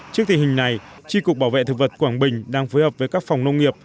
trước tình hình này tri cục bảo vệ thực vật quảng bình đang phối hợp với các phòng nông nghiệp